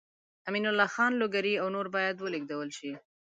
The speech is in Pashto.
امین الله خان لوګری او نور باید ولېږدول شي.